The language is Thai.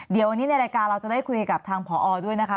เดี๋ยววันนี้ในรายการเราจะได้คุยกับทางผอด้วยนะคะ